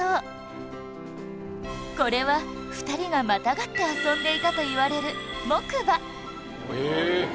これは２人がまたがって遊んでいたといわれる木馬